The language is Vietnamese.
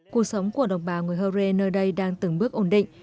cuộc sống của đồng bào người hơ rê nơi đây đang từng bước ổn định